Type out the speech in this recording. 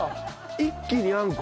一気にあんこ。